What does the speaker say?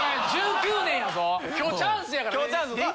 １９年やぞ今日チャンスやから！